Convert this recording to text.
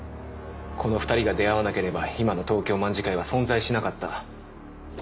この２人が出会わなければ今の東京卍會は存在しなかった。